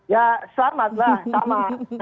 ya selamat lah sama